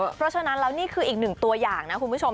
เพราะฉะนั้นแล้วนี่คืออีกหนึ่งตัวอย่างนะคุณผู้ชม